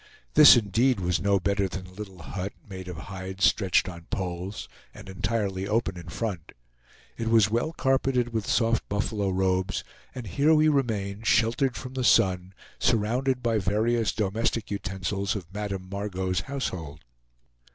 This indeed was no better than a little hut, made of hides stretched on poles, and entirely open in front. It was well carpeted with soft buffalo robes, and here we remained, sheltered from the sun, surrounded by various domestic utensils of Madame Margot's household.